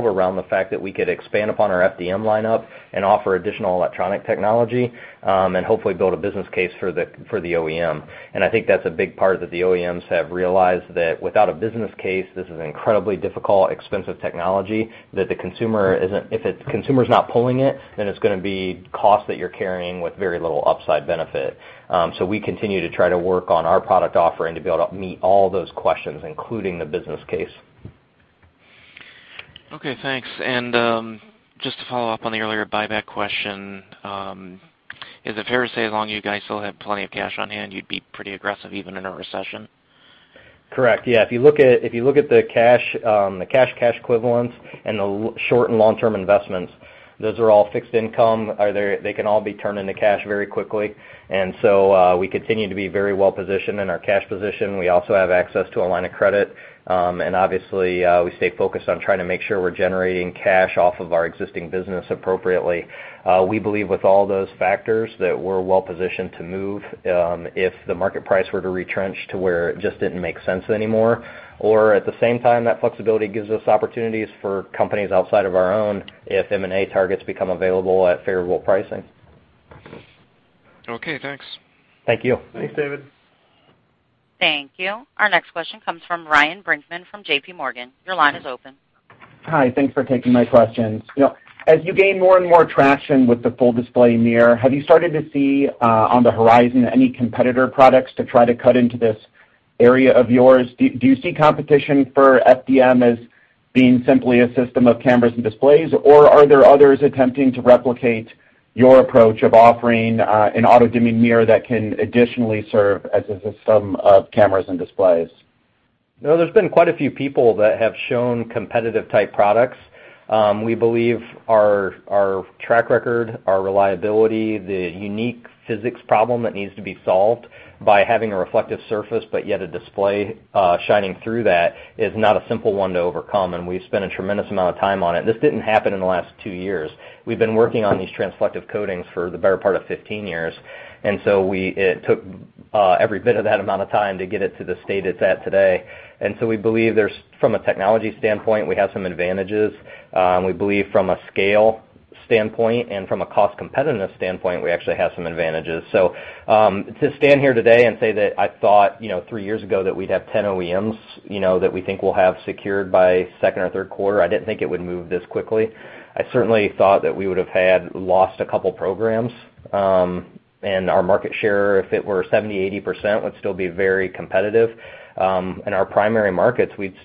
around the fact that we could expand upon our FDM lineup and offer additional electronic technology, and hopefully build a business case for the OEM. I think that's a big part, that the OEMs have realized that without a business case, this is an incredibly difficult, expensive technology, that if the consumer's not pulling it, then it's going to be cost that you're carrying with very little upside benefit. We continue to try to work on our product offering to be able to meet all those questions, including the business case. Okay, thanks. Just to follow up on the earlier buyback question, is it fair to say as long as you guys still have plenty of cash on hand, you'd be pretty aggressive even in a recession? Correct. Yeah. If you look at the cash equivalents and the short and long-term investments, those are all fixed income. They can all be turned into cash very quickly. So, we continue to be very well-positioned in our cash position. We also have access to a line of credit. Obviously, we stay focused on trying to make sure we're generating cash off of our existing business appropriately. We believe with all those factors that we're well-positioned to move, if the market price were to retrench to where it just didn't make sense anymore. At the same time, that flexibility gives us opportunities for companies outside of our own if M&A targets become available at favorable pricing. Okay, thanks. Thank you. Thanks, David. Thank you. Our next question comes from Ryan Brinkman from J.P. Morgan. Your line is open. Hi. Thanks for taking my questions. As you gain more and more traction with the Full Display Mirror, have you started to see, on the horizon, any competitor products to try to cut into this area of yours? Do you see competition for FDM as being simply a system of cameras and displays, or are there others attempting to replicate your approach of offering an auto-dimming mirror that can additionally serve as a system of cameras and displays? No, there's been quite a few people that have shown competitive type products. We believe our track record, our reliability, the unique physics problem that needs to be solved by having a reflective surface but yet a display shining through that is not a simple one to overcome, and we've spent a tremendous amount of time on it. This didn't happen in the last two years. We've been working on these transflective coatings for the better part of 15 years, and so it took every bit of that amount of time to get it to the state it's at today. We believe from a technology standpoint, we have some advantages. We believe from a scale standpoint and from a cost competitiveness standpoint, we actually have some advantages. To stand here today and say that I thought three years ago that we'd have 10 OEMs, that we think we'll have secured by second or third quarter, I didn't think it would move this quickly. I certainly thought that we would've had lost a couple programs. Our market share, if it were 70%-80%, would still be very competitive. In our primary markets, we'd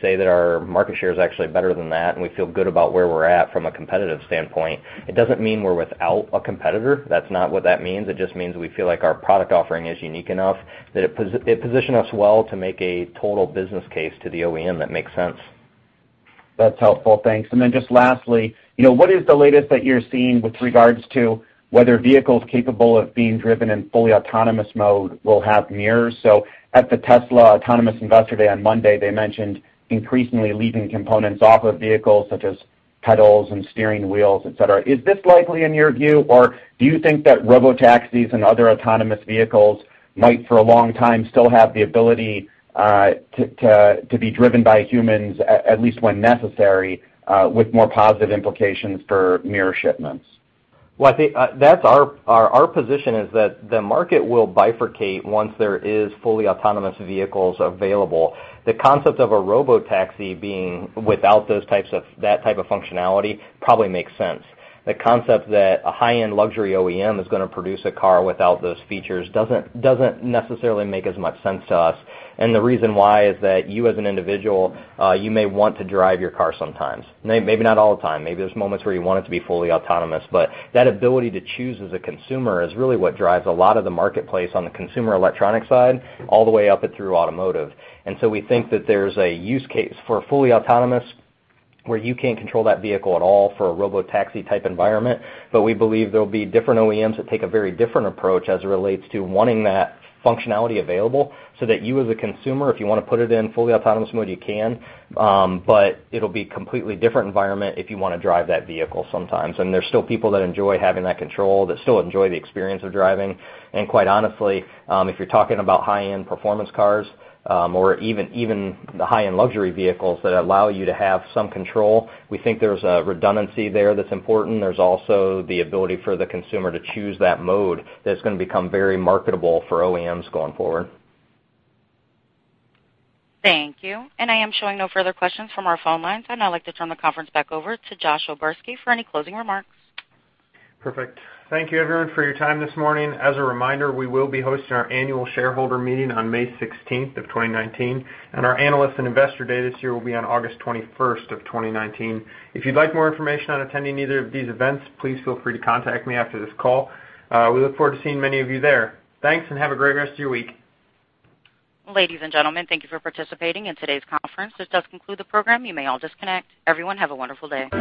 say that our market share is actually better than that, and we feel good about where we're at from a competitive standpoint. It doesn't mean we're without a competitor. That's not what that means. It just means we feel like our product offering is unique enough that it positioned us well to make a total business case to the OEM that makes sense. That's helpful. Thanks. Just lastly, what is the latest that you're seeing with regards to whether vehicles capable of being driven in fully autonomous mode will have mirrors? At the Tesla Autonomous Investor Day on Monday, they mentioned increasingly leaving components off of vehicles such as pedals and steering wheels, et cetera. Is this likely in your view, or do you think that robotaxis and other autonomous vehicles might, for a long time, still have the ability to be driven by humans, at least when necessary, with more positive implications for mirror shipments? Well, I think our position is that the market will bifurcate once there is fully autonomous vehicles available. The concept of a robotaxi being without that type of functionality probably makes sense. The concept that a high-end luxury OEM is going to produce a car without those features doesn't necessarily make as much sense to us. The reason why is that you as an individual, you may want to drive your car sometimes. Maybe not all the time. Maybe there's moments where you want it to be fully autonomous, but that ability to choose as a consumer is really what drives a lot of the marketplace on the consumer electronic side, all the way up and through automotive. We think that there's a use case for fully autonomous, where you can't control that vehicle at all for a robotaxi type environment. We believe there'll be different OEMs that take a very different approach as it relates to wanting that functionality available, so that you as a consumer, if you want to put it in fully autonomous mode, you can. It'll be completely different environment if you want to drive that vehicle sometimes. There's still people that enjoy having that control, that still enjoy the experience of driving. Quite honestly, if you're talking about high-end performance cars, or even the high-end luxury vehicles that allow you to have some control, we think there's a redundancy there that's important. There's also the ability for the consumer to choose that mode that's going to become very marketable for OEMs going forward. Thank you. I am showing no further questions from our phone lines. I'd now like to turn the conference back over to Josh O'Berski for any closing remarks. Perfect. Thank you everyone for your time this morning. As a reminder, we will be hosting our annual shareholder meeting on May 16th of 2019, and our analyst and investor day this year will be on August 21st of 2019. If you'd like more information on attending either of these events, please feel free to contact me after this call. We look forward to seeing many of you there. Thanks, and have a great rest of your week. Ladies and gentlemen, thank you for participating in today's conference. This does conclude the program. You may all disconnect. Everyone, have a wonderful day.